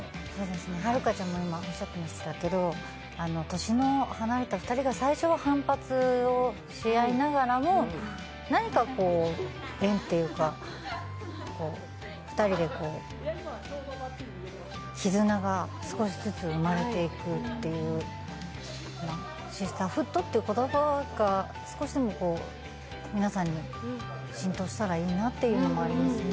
遥ちゃんもおっしゃっていましたけど、最初は反発をし合いながらも何か縁というか２人で絆が少しずつ生まれていくという、シスターフッドという言葉が少しでも皆さんに浸透したらいいなと思いますね。